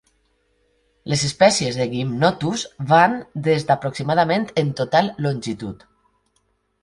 Les espècies de "Gymnotus" van des d'aproximadament en total longitud.